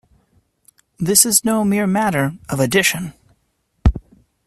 This is no mere matter of addition.